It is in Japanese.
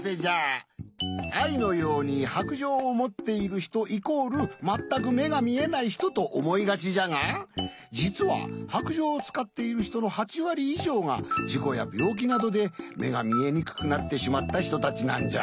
アイのように「白杖をもっているひとイコールまったくめがみえないひと」とおもいがちじゃがじつは白杖をつかっているひとの８わりいじょうがじこやびょうきなどでめがみえにくくなってしまったひとたちなんじゃ。